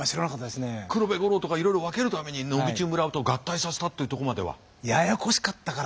黒部五郎とかいろいろ分けるために野口村と合体させたっていうとこまでは。